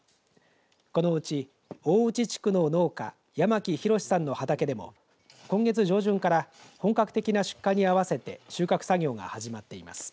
このうち大内地区の農家八巻寛さんの畑でも今月上旬から本格的な出荷に合わせて収穫作業が始まっています。